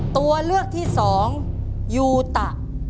ตัวเลือกที่สองยูตะ